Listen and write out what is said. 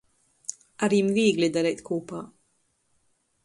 Ar jim vīgli dareit kūpā.